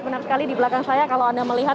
benar sekali di belakang saya kalau anda melihat